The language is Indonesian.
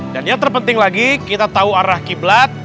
dan yang terpenting lagi kita tahu arah qiblat